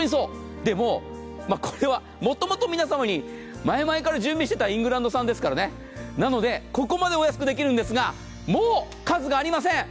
でも、これはもともと皆様に前々から準備していたイングランド産ですからなので、ここまでお安くできるんですが、もう数がありません。